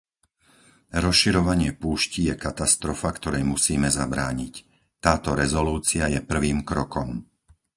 Rozširovanie púští je katastrofa, ktorej musíme zabrániť. Táto rezolúcia je prvým krokom.